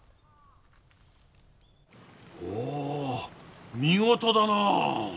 おお見事だなあ！